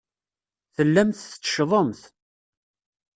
Tellamt tetteccḍemt.